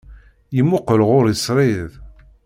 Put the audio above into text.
Yemmuqqel ɣur-i srid.